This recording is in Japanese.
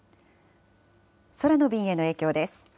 空の便への影響です。